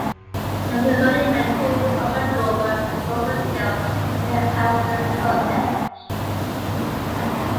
There is a monument to Robert Dover at Dover's Hill, near Aston-sub-Edge.